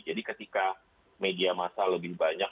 jadi ketika media massa lebih banyak